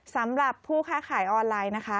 สำหรับผู้ค้าขายออนไลน์นะคะ